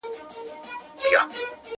سپی یوازي تر ماښام پوري غپا کړي؛